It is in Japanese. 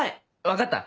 分かった！